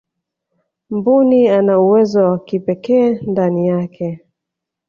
mbuni ana uwezo wa kipekee ndani yake